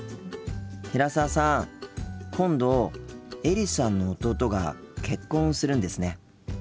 今度エリさんの弟が結婚するんですね。